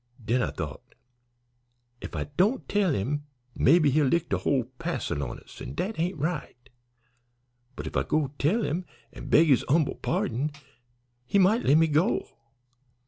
Den I thought, if I don't tell him mebbe he'll lick de whole passel on us, an' dat ain't right; but if I go tell him an' beg his 'umble pardon he might lemme go.